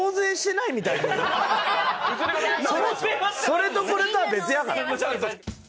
それとこれとは別やからね。